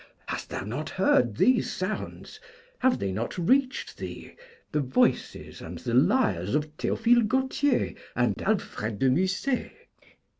Hast thou not heard these sounds? have they not reached thee, the voices and the lyres of Théophile Gautier and Alfred de Musset?